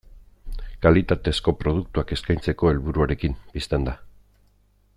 Kalitatezko produktuak eskaintzeko helburuarekin, bistan da.